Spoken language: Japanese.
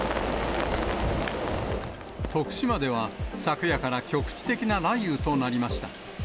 徳島では昨夜から局地的な雷雨となりました。